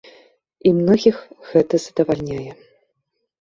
І многіх гэта задавальняе.